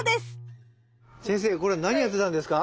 これ何やってたんですか？